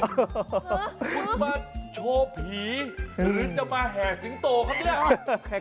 คุณมาโชว์ผีหรือจะมาแห่สิงโตครับเนี่ย